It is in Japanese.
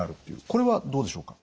これはどうでしょうか？